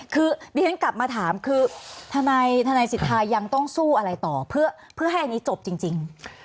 คือปิ้งกลับมาถามทำไมศิษฐานยังต้องสู้อะไรต่อเพื่อให้จบจริง